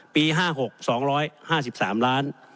ปี๕๖๒๕๓ล้าน